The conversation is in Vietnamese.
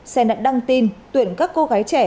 xen đã đăng tin tuyển các cô gái trẻ